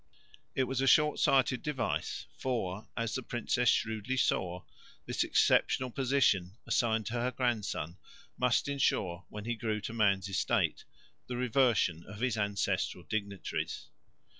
It was a short sighted device for, as the princess shrewdly saw, this exceptional position assigned to her grandson must ensure, when he grew to man's estate, the reversion of his ancestral dignities.